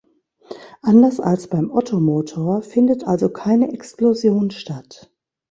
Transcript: Anders als beim Ottomotor findet also keine Explosion statt.